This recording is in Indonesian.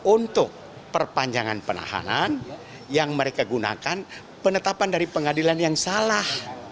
untuk perpanjangan penahanan yang mereka gunakan penetapan dari pengadilan yang salah